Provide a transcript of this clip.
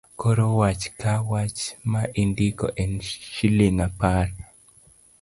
Koro wach Ka wach ma indiko en shilling apar.